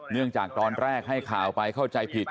เนื่องจากตอนแรกให้ข่าวไปเข้าใจผิด